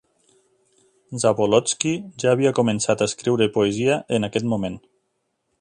Zabolotsky ja havia començat a escriure poesia en aquest moment.